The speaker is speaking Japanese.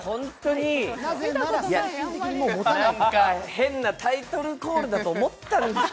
変なタイトルコールだと思ったんですよ。